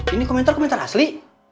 ini komentar komentar asli